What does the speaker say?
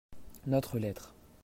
Notre lettre.